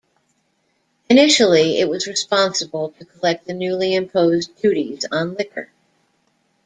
Initially it was responsible to collect the newly imposed duties on liquor.